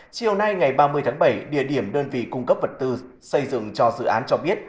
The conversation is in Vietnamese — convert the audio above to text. chiều nay ngày ba mươi tháng bảy địa điểm đơn vị cung cấp vật tư xây dựng cho dự án cho biết